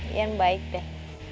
ian baik deh